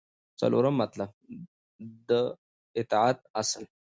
څلورم مطلب : د اطاعت اصل